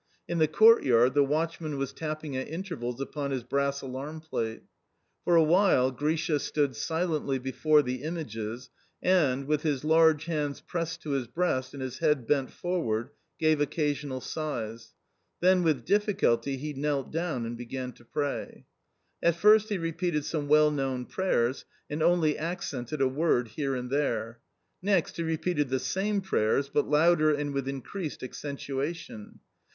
In the courtyard the watchman was tapping at intervals upon his brass alarm plate. For a while Grisha stood silently before the images and, with his large hands pressed to his breast and his head bent forward, gave occasional sighs. Then with difficulty he knelt down and began to pray. At first he repeated some well known prayers, and only accented a word here and there. Next, he repeated thee same prayers, but louder and with increased accentuation.